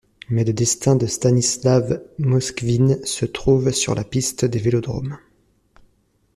Mais le destin de Stanislav Moskvine, se trouve sur la piste des vélodromes.